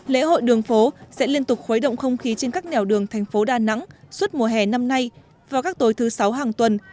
lễ hội đường phố sẽ liên tục khuấy động không khí trên các nẻo đường thành phố đà nẵng suốt mùa hè năm nay vào các tối thứ sáu hàng tuần